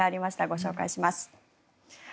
ご紹介します。